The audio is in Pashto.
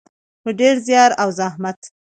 په ډیر زیار او زحمت.